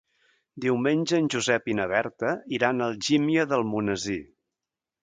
Diumenge en Josep i na Berta iran a Algímia d'Almonesir.